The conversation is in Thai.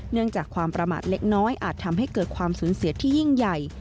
จากความประมาทเล็กน้อยอาจทำให้เกิดความสูญเสียที่ยิ่งใหญ่